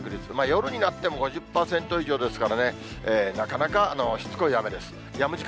夜になっても５０％以上ですからね、なかなかしつこい雨です。